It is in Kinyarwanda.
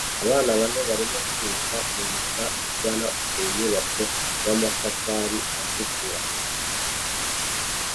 abana bane barimo kwiruka munzira igana ku nyubako y'amatafari atukura